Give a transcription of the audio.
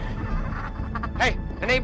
kamu ke ingin menjadi